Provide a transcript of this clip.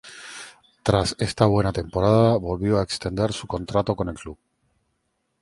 Tras esta buena temporada, volvió a extender su contrato con el club.